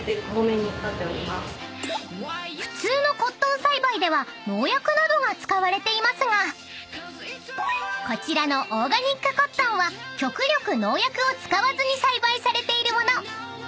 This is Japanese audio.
［普通のコットン栽培では農薬などが使われていますがこちらのオーガニックコットンは極力農薬を使わずに栽培されている物］